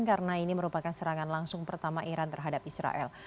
karena ini merupakan serangan langsung pertama iran terhadap israel